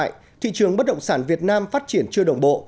tại thời điểm hiện tại thị trường bất động sản việt nam phát triển chưa đồng bộ